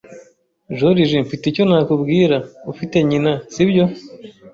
Joriji, mfite icyo nakubwira. Ufite nyina, si byo?